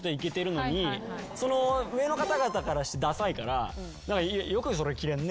上の方々したらダサいから「よくそれ着れるね」